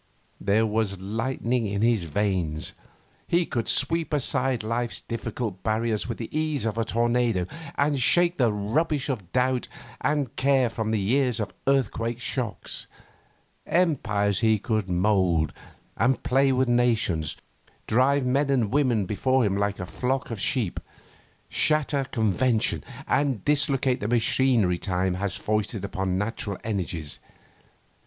There was lightning in his veins. He could sweep aside life's difficult barriers with the ease of a tornado, and shake the rubbish of doubt and care from the years with earthquake shocks. Empires he could mould, and play with nations, drive men and women before him like a flock of sheep, shatter convention, and dislocate the machinery time has foisted upon natural energies.